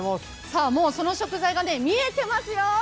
もうその食材が見えてますよ。